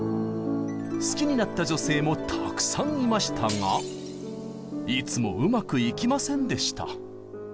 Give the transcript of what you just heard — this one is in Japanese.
好きになった女性もたくさんいましたがいつもうまくいきませんでした。